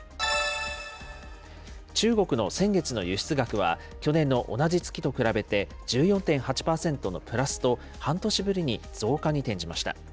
中国の先月の輸出額は、去年の同じ月と比べて１４．８％のプラスと、半年ぶりに増加に転じました。